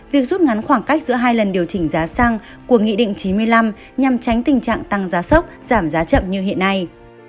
việc rút ngắn khoảng cách giữa hai lần điều chỉnh giá xăng của nghị định chín mươi năm nhằm tránh tình trạng tăng giá sốc giảm giá chậm như hiện nay